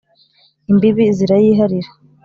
Imbibi zirayiharira